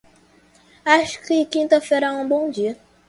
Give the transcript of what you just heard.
Acho que quinta-feira é um bom dia.